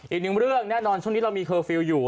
อีกหนึ่งเรื่องแน่นอนช่วงนี้เรามีเคอร์ฟิลล์อยู่